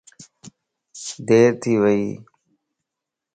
دير ٿي وئي يَ